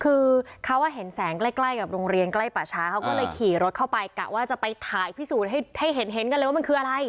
คือเขาเห็นแสงใกล้กับโรงเรียนใกล้ป่าช้าเขาก็เลยขี่รถเข้าไปกะว่าจะไปถ่ายพิสูจน์ให้เห็นกันเลยว่ามันคืออะไร